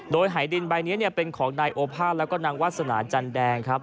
โดยหายดินใบนี้เป็นของนายโอภาษแล้วก็นางวาสนาจันแดงครับ